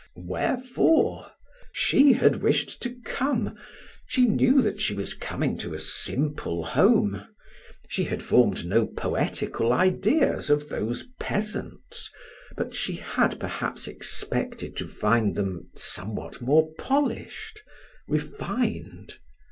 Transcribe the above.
Wherefore? She had wished to come; she knew that she was coming to a simple home; she had formed no poetical ideas of those peasants, but she had perhaps expected to find them somewhat more polished, refined.